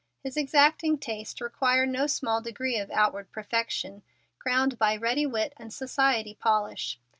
His exacting taste required no small degree of outward perfection crowned by ready wit and society polish.